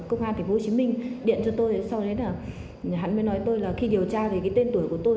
công an tp hcm điện cho tôi sau đấy là hắn mới nói tôi là khi điều tra về cái tên tuổi của tôi